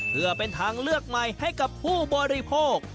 เพื่อเป็นทางเลือกใหม่ให้กับผู้บริโภค